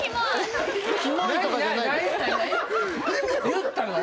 言ったの？